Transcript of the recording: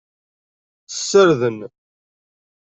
Ssarden.